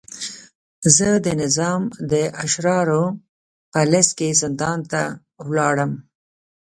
زه د نظام د اشرارو په لست کې زندان ته ولاړم.